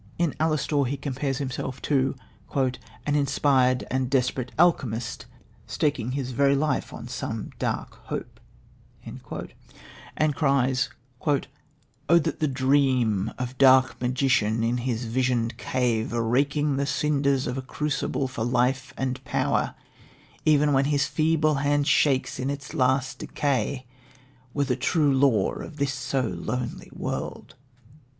In Alastor he compares himself to "an inspired and desperate alchymist Staking his very life on some dark hope," and cries: "O that the dream Of dark magician in his visioned cave Raking the cinders of a crucible For life and power, even when his feeble hand Shakes in its last decay, were the true law Of this so lonely world."